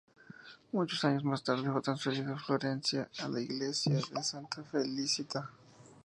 Muchos años más tarde fue transferido a Florencia a la Iglesia de Santa Felicita.